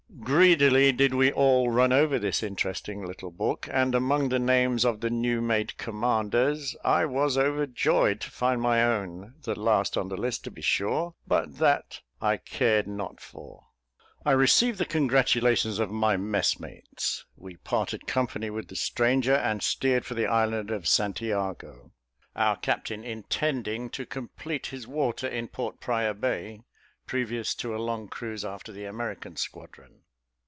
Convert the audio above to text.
Greedily did we all run over this interesting little book, and among the names of the new made commanders, I was overjoyed to find my own; the last on the list to be sure, but that I cared not for. I received the congratulations of my messmates; we parted company with the stranger, and steered for the island of St Jago, our captain intending to complete his water in Port Praya Bay, previous to a long cruise after the American squadron.